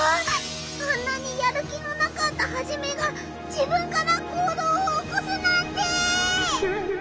あんなにやる気のなかったハジメが自分から行どうをおこすなんて！